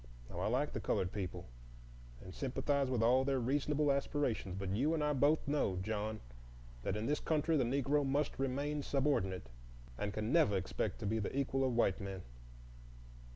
Now I like the colored people, and sympathize with all their reasonable aspirations; but you and I both know, John, that in this country the Negro must remain subordinate, and can never expect to be the equal of white men.